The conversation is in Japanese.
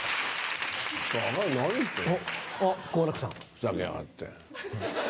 ふざけやがって。